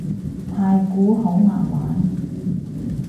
太鼓好難玩